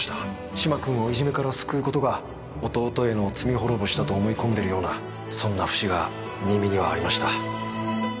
嶋君をいじめから救うことが弟への罪滅ぼしだと思い込んでるようなそんな節が新見にはありました